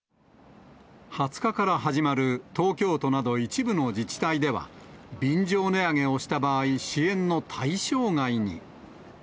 ２０日から始まる東京都など、一部の自治体では、便乗値上げをした場合、支援の対象外に。